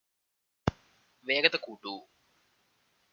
വേഗത കൂട്ടൂ